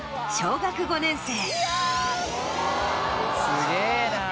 すげぇな。